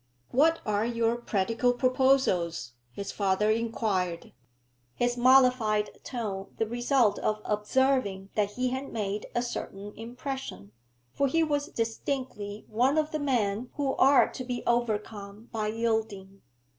'What are your practical proposals?' his father inquired, his mollified tone the result of observing that he had made a certain impression, for he was distinctly one of the men who are to be overcome by yielding.